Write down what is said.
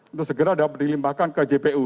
untuk segera dilimpahkan ke jpu